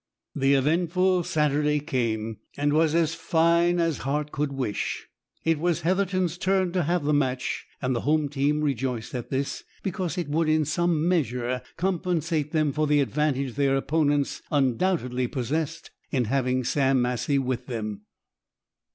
The eventful Saturday came, and was as fine as heart could wish. It was Heatherton's turn to have the match, and the home team rejoiced at this, because it would in some measure compensate them for the advantage their opponents undoubtedly possessed in having Sam Massie with them.